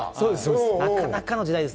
なかなかの時代です。